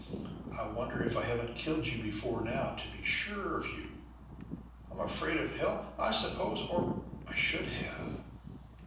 I wonder I haven't killed you before now to be sure of you! I'm afraid of Hell, I suppose, or I should have."